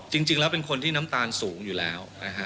จริงแล้วเป็นคนที่น้ำตาลสูงอยู่แล้วนะฮะ